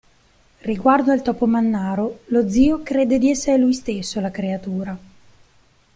Riguardo al Topo Mannaro, lo zio crede di essere lui stesso la creatura.